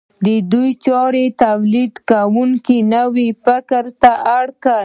دې چارې تولیدونکي نوي فکر ته اړ کړل.